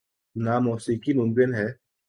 نہ موسیقی ممکن ہے۔